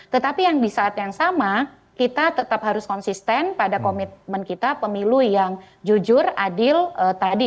tetapi yang di saat yang sama kita tetap harus konsisten pada komitmen kita pemilu yang jujur adil tadi